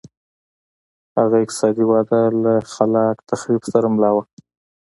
هغه اقتصادي وده له خلاق تخریب سره مله وه.